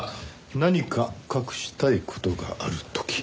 何か隠したい事がある時。